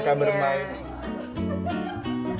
tempat mereka bermain